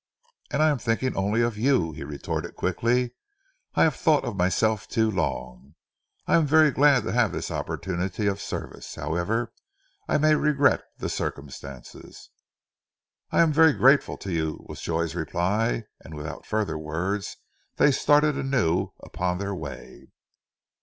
"And I am thinking only of you!" he retorted quickly. "I have thought of myself too long. I am very glad to have this opportunity of service, however I may regret the circumstances." "I am very grateful to you," was Joy's reply, and without further words they started anew upon their way.